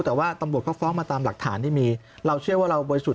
แต่ว่าตำรวจเขาฟ้องมาตามหลักฐานที่มีเราเชื่อว่าเราบริสุทธิ